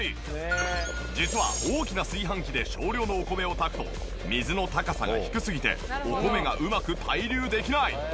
実は大きな炊飯器で少量のお米を炊くと水の高さが低すぎてお米がうまく対流できない。